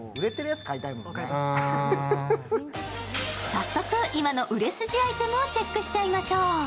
早速今の売れ筋アイテムをチェックしちゃいましょう。